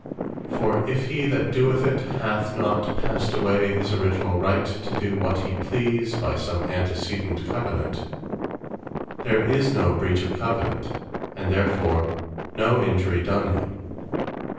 For if he that doeth it, hath not passed away his originall right to do what he please, by some Antecedent Covenant, there is no breach of Covenant; and therefore no Injury done him.